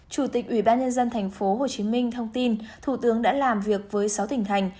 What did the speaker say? chủ tịch ủy ban nhân dân thành phố hồ chí minh thông tin thủ tướng đã làm việc với sáu tỉnh thành